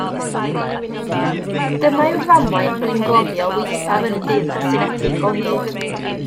Dyma yw'r ddamwain mwyngloddio waethaf yn y Deyrnas Unedig o hyd.